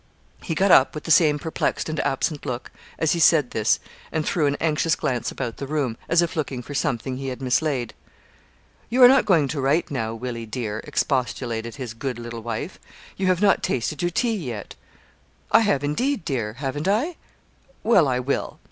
He got up, with the same perplexed and absent look, as he said this, and threw an anxious glance about the room, as if looking for something he had mislaid. 'You are not going to write now, Willie, dear?' expostulated his good little wife, 'you have not tasted your tea yet.' 'I have, indeed, dear; haven't I? Well, I will.'